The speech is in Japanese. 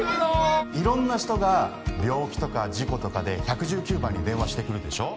色んな人が病気とか事故とかで１１９番に電話してくるでしょ